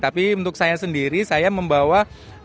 tapi untuk saya sendiri saya membawa